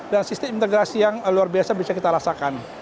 dan sistem integrasi yang luar biasa bisa kita rasakan